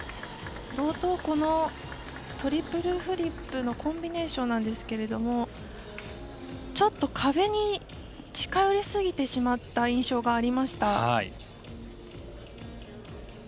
冒頭、トリプルフリップのコンビネーションなんですけどもちょっと壁に近寄りすぎてしまった印象がありました。